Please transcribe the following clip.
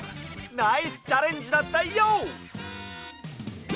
ナイスチャレンジだったＹＯ！